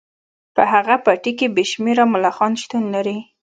په هغه پټي کې بې شمیره ملخان شتون لري